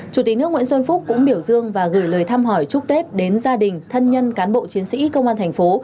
chủ tịch nước nguyễn xuân phúc cũng biểu dương và gửi lời thăm hỏi chúc tết đến gia đình thân nhân cán bộ chiến sĩ công an thành phố